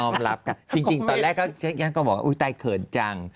ไม่เราก็บอกอุ้ยเขื่อจัง